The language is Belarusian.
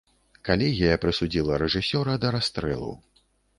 Калегія прысудзіла рэжысёра да расстрэлу.